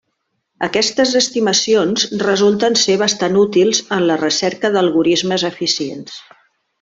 Aquestes estimacions resulten ser bastant útils en la recerca d'algorismes eficients.